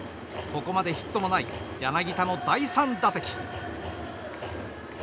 ここまでヒットのない柳田の第３打席。